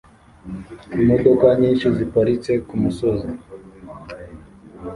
Imodoka nyinshi ziparitse kumusozi